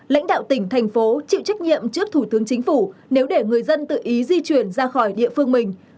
lãnh đạo tỉnh thành phố chịu trách nhiệm trước thủ tướng chính phủ nếu để người dân tự ý di chuyển ra khỏi địa phương mình